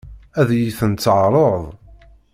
Ad iyi-tent-teɛṛeḍ?